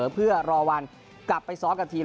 เพื่อรอวันกลับไปซ้อมกับทีม